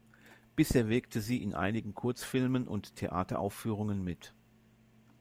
Bisher wirkte sie in einigen Kurzfilmen und Theateraufführungen mit.